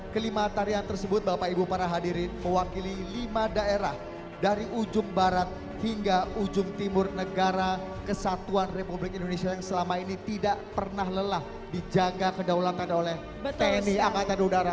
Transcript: kelima tarian tersebut bapak ibu para hadirin mewakili lima daerah dari ujung barat hingga ujung timur negara kesatuan republik indonesia yang selama ini tidak pernah lelah dijaga kedaulatan oleh tni angkatan udara